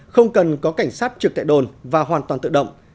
không cần có cảnh sát trực tại đồn và hoàn toàn tự động